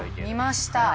見ました